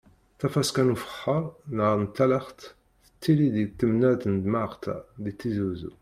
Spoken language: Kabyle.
Tafaska n ufexxaṛ neɣ n talaxt tettili-d di temnaḍt n Mɛatqa di Tizi Wezzu.